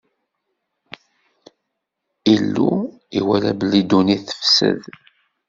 Illu iwala belli ddunit tefsed.